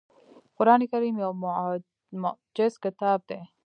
قرآن کریم یو معجز کتاب دی .